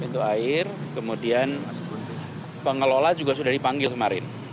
itu air kemudian pengelola juga sudah dipanggil kemarin